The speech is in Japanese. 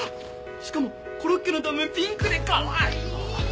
しかもコロッケの断面ピンクでかわいい！